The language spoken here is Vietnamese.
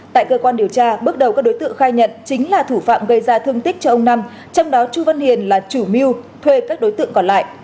tại cơ quan điều tra bước đầu các đối tượng khai nhận chính là thủ phạm gây ra thương tích cho ông nam trong đó chu văn hiền là chủ mưu thuê các đối tượng còn lại